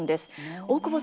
大久保さん